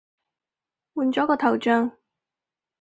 換咗個頭像